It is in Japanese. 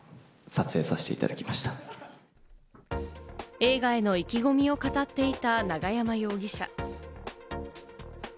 映画への意気込みを語っていた永山容疑者。